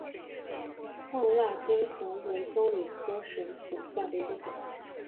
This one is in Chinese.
勐腊鞭藤为棕榈科省藤属下的一个种。